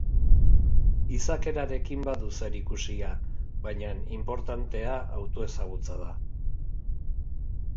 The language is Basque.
Izakerarekin badu zerikusia, baina inportantea autoezagutza da.